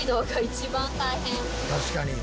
「確かに」